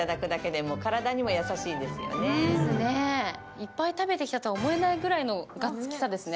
いっぱい食べてきたとは思えないぐらいのがっつきさですね。